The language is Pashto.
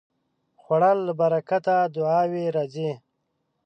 خوړل له برکته دعاوې راځي